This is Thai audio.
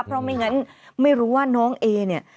เพราะไม่งั้นไม่รู้ว่าน้องเอเนี่ย